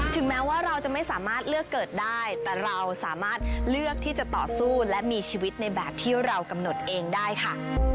แม้ว่าเราจะไม่สามารถเลือกเกิดได้แต่เราสามารถเลือกที่จะต่อสู้และมีชีวิตในแบบที่เรากำหนดเองได้ค่ะ